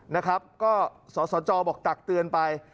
นะครับก็สสจบอกตักเตือนไป